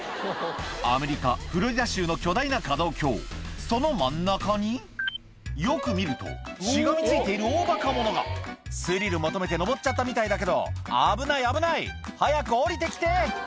アメリカフロリダ州の巨大な可動橋その真ん中によく見るとしがみついている大バカ者がスリル求めて上っちゃったみたいだけど危ない危ない早く下りてきて！